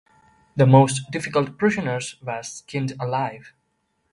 The most difficult prisoners were skinned alive.